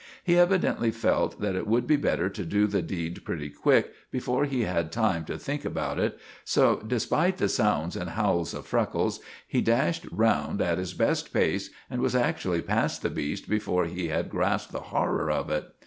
He evidently felt that it would be better to do the deed pretty quick, before he had time to think about it; so, despite the sounds and howls of Freckles, he dashed round at his best pace, and was actually past the beast before he had grasped the horror of it.